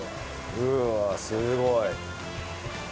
うわすごい。